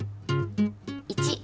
１。